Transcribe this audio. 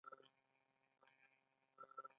ترهګرۍ د بې نظمۍ او فساد سبب ګرځي.